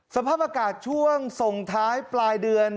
สภาพอากาศช่วงส่งท้ายปลายเดือน